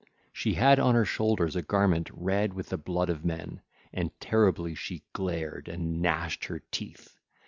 She had on her shoulders a garment red with the blood of men, and terribly she glared and gnashed her teeth.